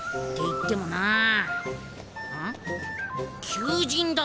求人だ。